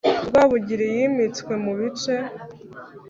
rwabugili yimitswe mu bice